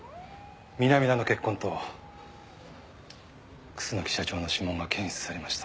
南田の血痕と楠木社長の指紋が検出されました。